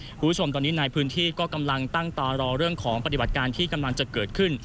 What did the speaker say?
คุณผู้ชมตอนนี้ในพื้นที่ก็กำลังตั้งตารอเรื่องของปฏิบัติการที่กำลังจะเกิดขึ้น